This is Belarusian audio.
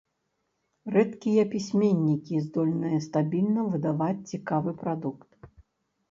Рэдкія пісьменнікі здольныя стабільна выдаваць цікавы прадукт.